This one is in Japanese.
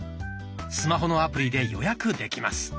スマホのアプリで予約できます。